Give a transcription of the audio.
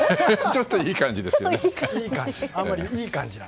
ちょっといい感じですよね。